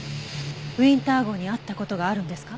ウィンター号に会った事があるんですか？